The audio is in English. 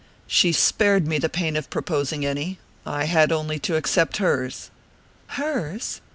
"She spared me the pain of proposing any I had only to accept hers." "Hers?"